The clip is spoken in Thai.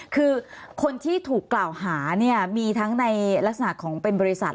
คือคนที่ถูกกล่าวหาเนี่ยมีทั้งในลักษณะของเป็นบริษัท